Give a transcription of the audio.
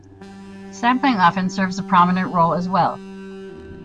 Sampling often serves a prominent role as well.